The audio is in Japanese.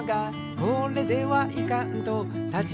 「これではいかんと立ち上がった」